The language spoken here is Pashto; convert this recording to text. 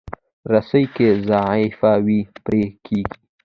رسۍ که ضعیفه وي، پرې کېږي.